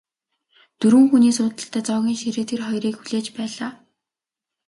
Дөрвөн хүний суудалтай зоогийн ширээ тэр хоёрыг хүлээж байлаа.